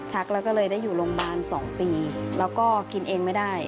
แล้วก็เลยได้อยู่โรงพยาบาล๒ปีแล้วก็กินเองไม่ได้